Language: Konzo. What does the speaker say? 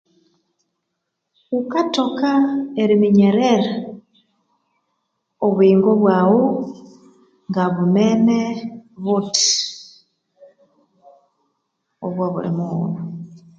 Wukathoka eriminyerera obuyingo bwawu ngabu mene buthi obwa buli mughulhu.